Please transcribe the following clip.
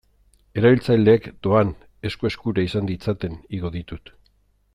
Erabiltzaileek, doan, esku-eskura izan ditzaten igo ditut.